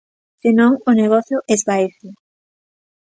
Se non, o negocio esvaece.